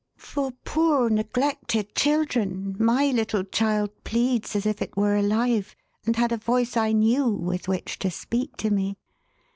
For poor neglected children, my little child pleads as if it were alive, and had a voice I knew, with which to speak to me.